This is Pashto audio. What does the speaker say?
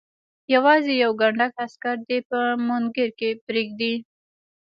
یوازې یو کنډک عسکر دې په مونګیر کې پرېږدي.